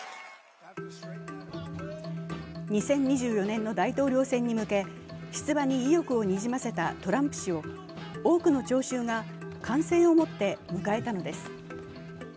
２０２４年の大統領選に向け、出馬に意欲をにじませたトランプ氏を多くの聴衆が歓声を持って迎えたのです。